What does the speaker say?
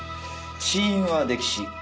死因は溺死。